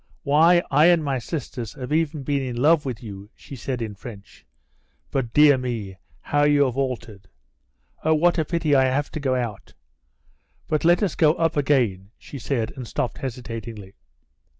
Why, I and my sisters have even been in love with you," she said, in French. "But, dear me, how you have altered. Oh, what a pity I have to go out. But let us go up again," she said and stopped hesitatingly.